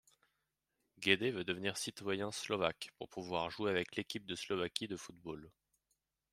Guédé veut devenir citoyen slovaque, pour pouvoir jouer avec l'Équipe de Slovaquie de football.